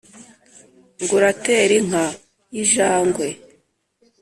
ngo uratere inka y’i jangwe,